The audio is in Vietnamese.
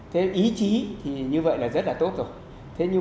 thế ý chí như vậy là rất là tốt rồi